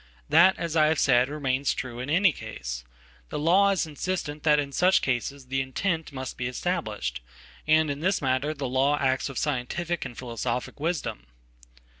That, as I have said, remains true in any case. The lawis insistent that in such cases the intent must be established; andin this matter the law acts with scientific and philosophic Wisdom.